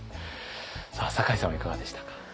酒井さんはいかがでしたか。